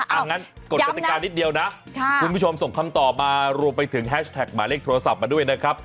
อย่างนั้นกดกติกานิดเดียวนะคุณผู้ชมส่งคำตอบมารวมไปถึงแฮชแท็กหมายเลขโทรศัพท์มาด้วยนะครับ